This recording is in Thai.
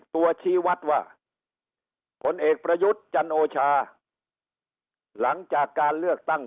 ชี้วัดว่าผลเอกประยุทธ์จันโอชาหลังจากการเลือกตั้ง